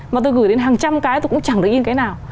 mà tôi gửi đến hàng trăm cái tôi cũng chẳng được in cái nào